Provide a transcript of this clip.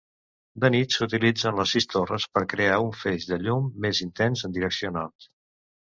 De nit s'utilitzen les sis torres per crear un feix de llum més intens en direcció nord.